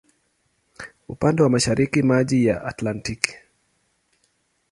Upande wa mashariki maji ya Atlantiki.